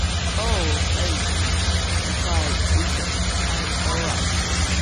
"Oh, aye," replied Richard, "I'm all right."